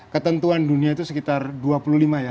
ketentuan dunia itu sekitar dua puluh lima ya